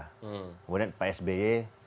kemudian pak sby